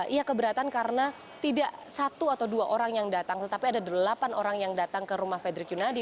ia keberatan karena tidak satu atau dua orang yang datang tetapi ada delapan orang yang datang ke rumah frederick yunadi